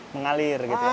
mengalir gitu ya